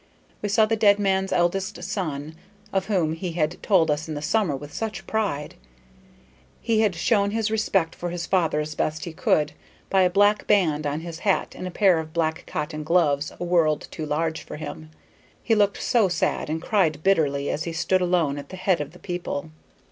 We saw the dead man's eldest son, of whom he had told us in the summer with such pride. He had shown his respect for his father as best he could, by a black band on his hat and a pair of black cotton gloves a world too large for him. He looked so sad, and cried bitterly as he stood alone at the head of the people.